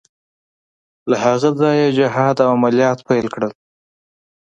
له هغه ځایه یې جهاد او عملیات پیل کړل.